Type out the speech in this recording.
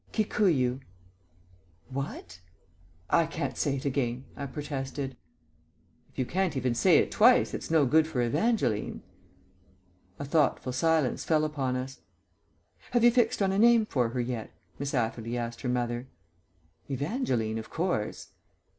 "Kikuyu." "What?" "I can't say it again," I protested. "If you can't even say it twice, it's no good for Evangeline." A thoughtful silence fell upon us. "Have you fixed on a name for her yet?" Miss Atherley asked her mother. "Evangeline, of course."